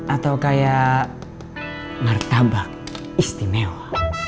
atau kayak martabak istimewa